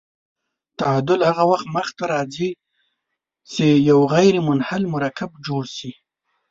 تعامل هغه وخت مخ ته ځي چې یو غیر منحل مرکب جوړ شي.